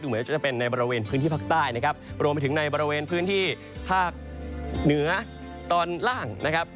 เหมือนจะเป็นในบริเวณพื้นที่ภาคใต้นะครับรวมไปถึงในบริเวณพื้นที่ภาคเหนือตอนล่างนะครับ